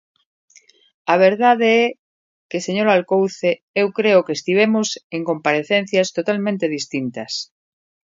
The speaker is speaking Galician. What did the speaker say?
A verdade é que, señor Alcouce, eu creo que estivemos en comparecencias totalmente distintas.